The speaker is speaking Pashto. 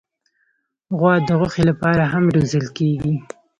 غوا د غوښې لپاره هم روزل کېږي.